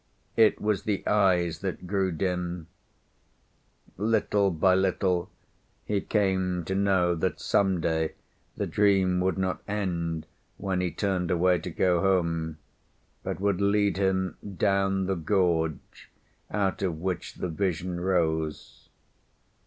It was the eyes that grew dim. Little by little he came to know that some day the dream would not end when he turned away to go home, but would lead him down the gorge out of which the vision rose.